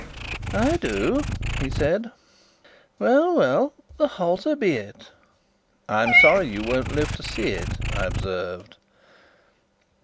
"I do," he said. "Well, well, the halter be it." "I'm sorry you won't live to see it," I observed.